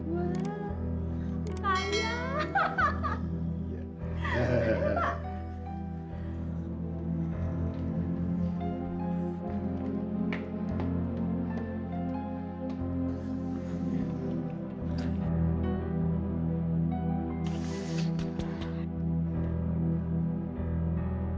wah juga dipakai